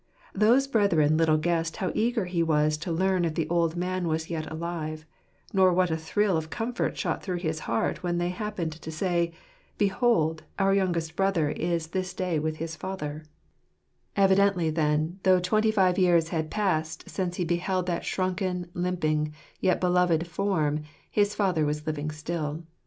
Those brethren little guessed how eager he was to learn if the old man was yet alive, nor what a thrill of comfort shot through his heart when they happened to say, " Behold, our youngest brother is this day with his father/* i l3 o JPatljec* Evidently, then, though twenty five years had passed since he beheld that shrunken,' limping, yet beloved form, his father was living still.